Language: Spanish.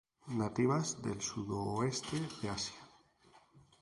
Nativas del sudoeste de Asia.